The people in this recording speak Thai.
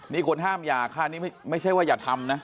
นี้คนห้ามอย่าฮะไม่ใช่ว่าอย่าทำนะ